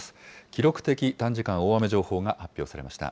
記録的短時間大雨情報が発表されました。